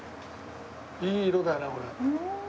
いい色だよねこれ。